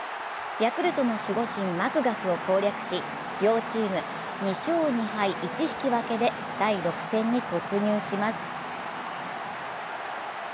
ヤクルトの守護神・マクガフを攻略し両チーム２勝２敗１引分で第６戦に突入します。